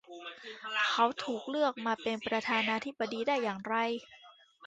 เขาถูกเลือกมาเป็นประธานาธิบดีได้อย่างไร ?